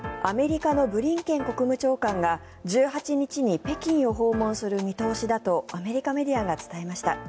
アメリカのブリンケン国務長官が１８日に北京を訪問する見通しだとアメリカメディアが伝えました。